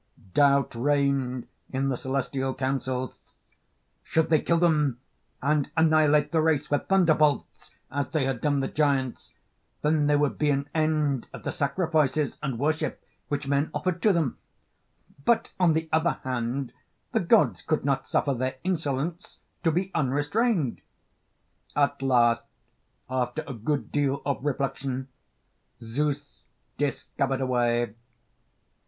Doubt reigned in the celestial councils. Should they kill them and annihilate the race with thunderbolts, as they had done the giants, then there would be an end of the sacrifices and worship which men offered to them; but, on the other hand, the gods could not suffer their insolence to be unrestrained. At last, after a good deal of reflection, Zeus discovered a way.